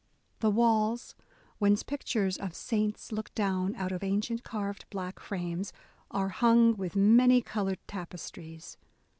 The walls, whence pictures of saints look down out of ancient carved black frames, are hung with many coloured tapestries.